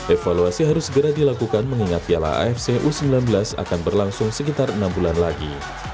evaluasi harus segera dilakukan mengingat piala afc u sembilan belas akan berlangsung sekitar enam bulan lagi